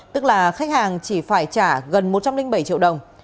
tức là khách hàng chỉ phải trả gần một trăm linh bảy triệu đồng